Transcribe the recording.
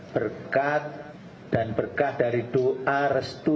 berkat dan berkah dari doa restu